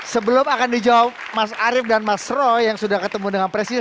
sebelum akan dijawab mas arief dan mas roy yang sudah ketemu dengan presiden